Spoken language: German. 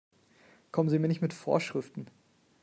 Kommen Sie mir nicht mit Vorschriften!